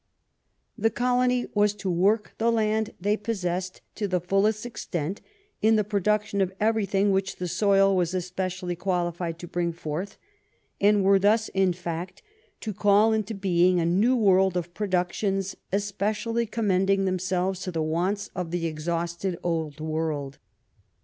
The colony was to work the land they possessed to the fullest extent in the production of everything which the soil was especially qualified to bring forth, and were thus, in fact, to call into being a new world of productions especially commending themselves to the wants of the exhausted Old World.